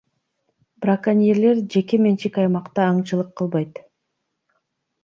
Браконьерлер жеке менчик аймакта аңчылык кылбайт.